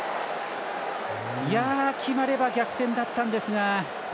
決まれば逆転だったんですが。